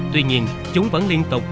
tuy nhiên chúng vẫn liên tục